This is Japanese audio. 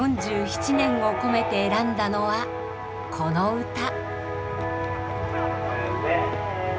４７年を込めて選んだのはこの歌。